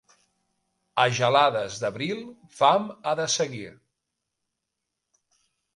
A gelades d'abril, fam ha de seguir.